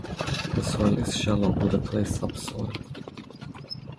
The soil is shallow, with a clay subsoil.